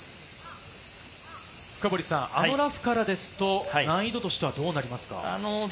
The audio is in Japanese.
あのラフからですと難易度としてはどうなりますか？